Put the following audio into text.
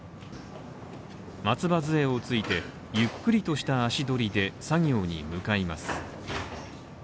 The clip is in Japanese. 松葉杖をついてゆっくりとした足取りで作業に向かいます。